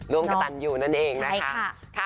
ร่วมกับตันยูนั่นเองนะคะ